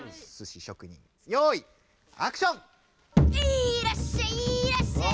いらっしゃいいらっしゃい！